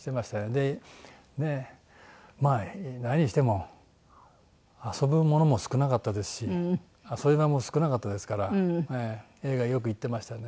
でまあ何にしても遊ぶものも少なかったですし遊び場も少なかったですから映画よく行ってましたね。